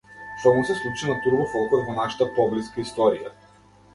Што му се случи на турбо-фолкот во нашата поблиска историја?